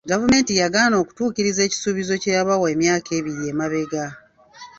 Gavumenti yagaana okutuukiriza ekisuubizo kye yabawa emyaka ebiri emabega.